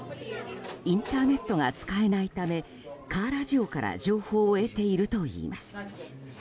インターネットを使えないためカーラジオから情報を得ているといいます。